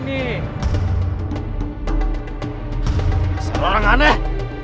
masalah orang aneh